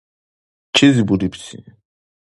Чизи бурибси?